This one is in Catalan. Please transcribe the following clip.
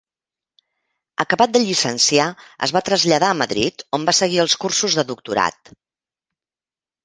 Acabat de llicenciar, es va traslladar a Madrid, on va seguir els cursos de doctorat.